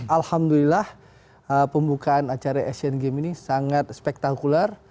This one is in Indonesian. alhamdulillah pembukaan acara asian game ini sangat spektakular